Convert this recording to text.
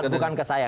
bukan ke saya